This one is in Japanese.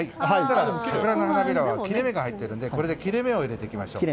桜の花びらは切れ目が入っているのでこれで切れ目を入れていきましょう。